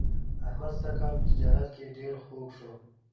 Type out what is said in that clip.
احمد سږ کال په تجارت کې ډېر خوږ شو.